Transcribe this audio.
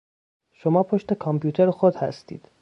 شما پشت کامپیوتر خود هستید